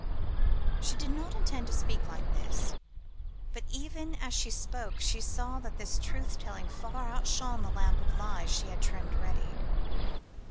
She had not intended to speak like this, but even as she spoke she saw that this truth telling far outshone the lamp of lies she had trimmed ready.